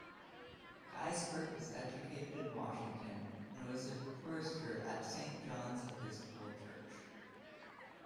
Gaisberg was educated in Washington and was a chorister at Saint John's Episcopal Church.